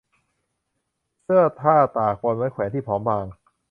เสื้อผ้าตากบนไม้แขวนที่ผอมบาง